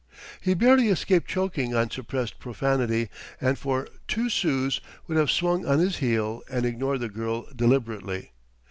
He barely escaped choking on suppressed profanity; and for two sous would have swung on his heel and ignored the girl deliberately.